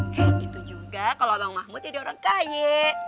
eh itu juga kalo bang mahmud jadi orang kaya